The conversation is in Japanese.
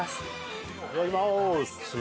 いただきまーす！